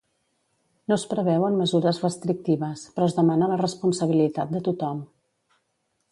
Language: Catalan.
No es preveuen mesures restrictives, però es demana la responsabilitat de tothom.